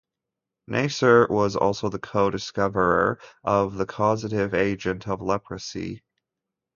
Neisser was also the co-discoverer of the causative agent of leprosy.